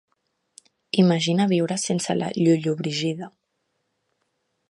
Imagina viure sense la Llollobrigida.